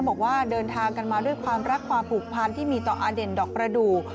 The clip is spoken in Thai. บอกว่าเดินทางกันมาด้วยความรักความผูกพันที่มีต่ออเด่นดอกประดูก